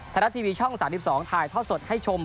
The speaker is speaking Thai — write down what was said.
ธนาทีวีช่อง๓๒ถ่ายท่อสดให้ชม